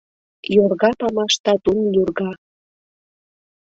Йорга памаш татун люрга.